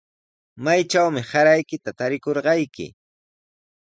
¿Maytrawmi saraykita ratikurqayki?